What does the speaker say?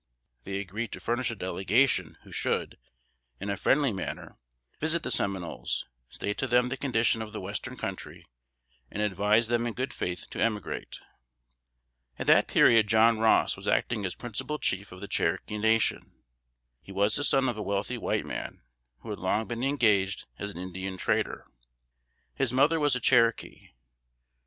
They agreed to furnish a delegation who should, in a friendly manner, visit the Seminoles, state to them the condition of the Western Country, and advise them in good faith to emigrate. At that period John Ross was acting as principal chief of the Cherokee Nation. He was the son of a wealthy white man, who had long been engaged as an Indian trader. His mother was a Cherokee.